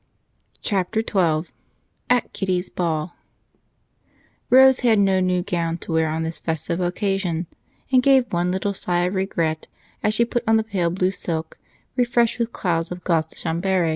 Chapter 12 AT KITTY'S BALL Rose had no new gown to wear on this festive occasion, and gave one little sigh of regret as she put on the pale blue silk refreshed with clouds of gaze de Chambéry.